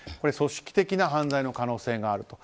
組織的な犯罪な可能性がある。